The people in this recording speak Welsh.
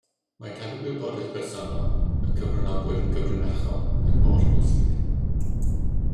Mae cadw gwybodaeth bersonol y cyfranogwyr yn gyfrinachol yn holl bwysig